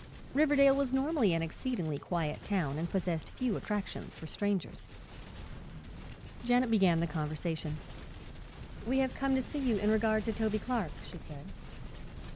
Riverdale was normally an exceedingly quiet town and possessed few attractions for strangers. Janet began the conversation. "We have come to see you in regard to Toby Clark," she said.